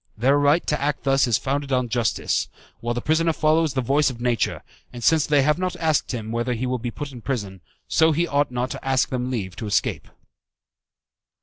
Their right to act thus is founded on justice, while the prisoner follows the voice of nature; and since they have not asked him whether he will be put in prison, so he ought not to ask them leave to escape.